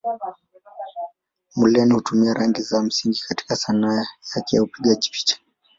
Muluneh hutumia rangi za msingi katika Sanaa yake ya upigaji picha.